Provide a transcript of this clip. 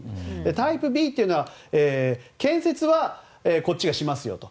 タイプＢは建設はこっちがしますよと。